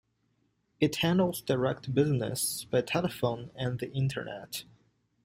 It handles direct business by telephone and the Internet.